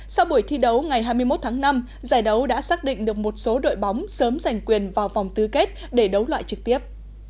sau buổi thi đấu ngày hai mươi một tháng năm giải đấu đã xác định được một số đội bóng sớm giành quyền vào vòng tứ kết để đấu loại trực tiếp